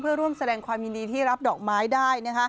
เพื่อร่วมแสดงความยินดีที่รับดอกไม้ได้